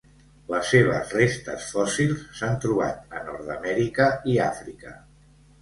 Les seves restes fòssils s'han trobat a Nord-amèrica i Àfrica.